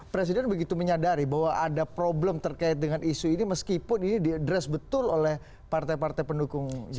presiden begitu menyadari bahwa ada problem terkait dengan isu ini meskipun ini diadres betul oleh partai partai pendukung jokowi